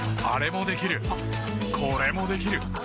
あれもできるこれもできる。